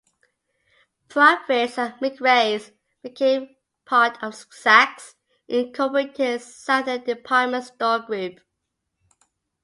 Proffitt's and McRae's became part of Saks Incorporated's Southern Department Store Group.